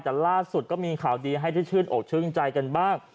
แต่ล่าสุดก็มีข่าวดีให้ทฤษฐิชย์โอกชึ้งใจกันบ้าง